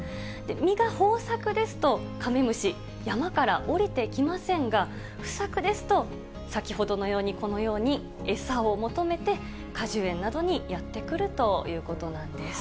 実が豊作ですと、カメムシ、山から下りてきませんが、不作ですと先ほどのように、このように餌を求めて果樹園などにやって来るということなんです。